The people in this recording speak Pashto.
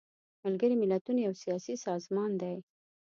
ملګري ملتونه یو سیاسي سازمان دی.